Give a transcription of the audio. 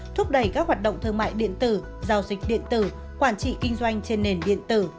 thúc đẩy các hoạt động thương mại điện tử giao dịch điện tử quản trị kinh doanh trên nền điện tử